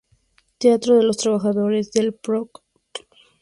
Teatro de los Trabajadores del "Proletkult".